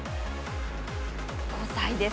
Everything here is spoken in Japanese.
５歳です。